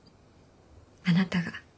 あなたが。